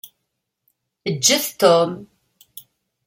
Ǧǧet Tom.